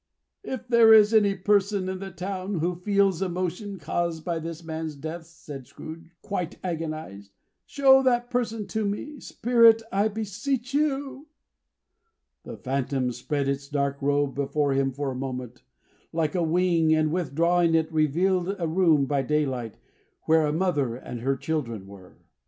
"If there is any person in the town, who feels emotion caused by this man's death," said Scrooge, quite agonized, "show that person to me, Spirit, I beseech you!" The phantom spread its dark robe before him for a moment, like a wing; and withdrawing it, revealed a room by daylight, where a mother and her children were.